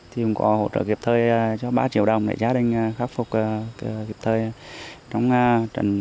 chúng có hỗ trợ kiệp thơi cho ba triệu đồng để gia đình khắc phục kiệp thơi